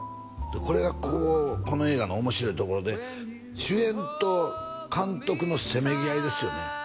これがこの映画の面白いところで主演と監督のせめぎ合いですよね